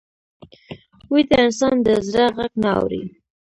ویده انسان د زړه غږ نه اوري